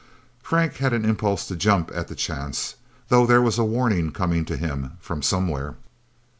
Frank had an impulse to jump at the chance though there was a warning coming to him from somewhere.